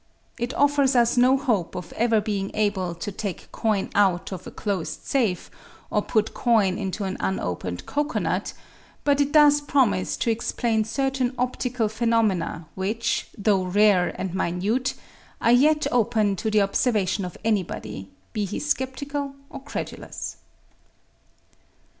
It offers us no hope of ever being able to take coin out of a closed safe or put coin into an un opened coconut but it does promise to explain certain optical phenomena which, though rare and minute, are yet open to the observation of anybody, be he skeptical or credulous.